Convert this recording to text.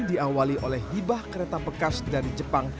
diawali oleh hibah kereta bekas dari jepang